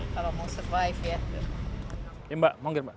kalau mau survive ya